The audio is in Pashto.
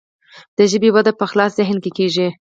د ژبې وده په خلاص ذهن کیږي.